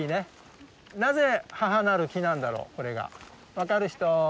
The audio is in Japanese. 分かる人？